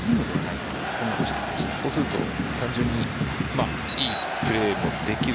そうすると単純に良いプレーもできる。